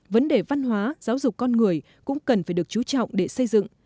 vấn đề văn hóa giáo dục con người cũng cần phải được chú trọng để xây dựng